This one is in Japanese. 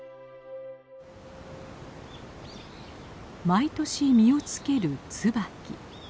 毎年実をつけるツバキ。